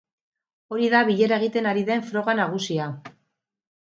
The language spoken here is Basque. Hori da bilera egiten ari den froga nagusia.